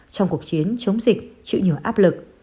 trong cuộc chiến chống dịch chịu nhiều áp lực